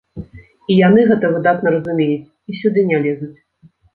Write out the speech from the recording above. І яны гэта выдатна разумеюць і сюды не лезуць.